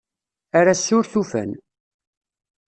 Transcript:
Ar ass-a ur tufan.